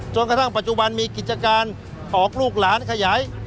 จนกระทั่งปัจจุบันมีกิจการออกลูกหลานขยาย